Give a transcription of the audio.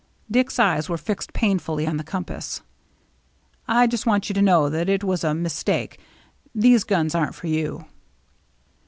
Dick's eyes were fixed painfully on the compass. " I just want you to know that it was a mis take. These guns aren't for you."